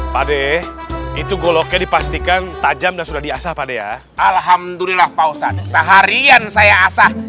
pada itu goloknya dipastikan tajam dan sudah diasah pada ya alhamdulillah pausan seharian saya asah